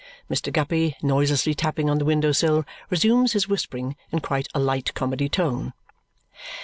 Mr. Guppy, noiselessly tapping on the window sill, resumes his whispering in quite a light comedy tone.